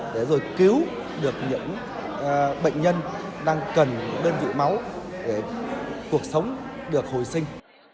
để rồi cứu được những bệnh nhân đang cần đơn vị máu để cuộc sống được hồi sinh